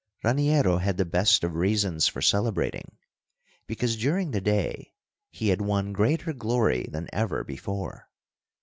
Raniero had the best of reasons for celebrating, because during the day he had won greater glory than ever before.